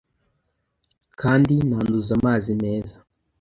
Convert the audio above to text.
Kandi nanduza amazi meza,